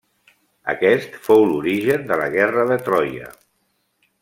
Aquest fou l'origen de la Guerra de Troia.